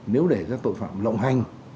nếu để ra tội phạm lộng hành